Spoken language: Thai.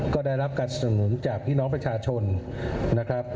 ก็ได้รับการสนุนจากพี่น้องประชาชนนะครับ